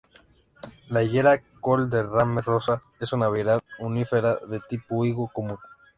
La higuera 'Col de Dame Rosa' es una variedad "unífera" de tipo higo común.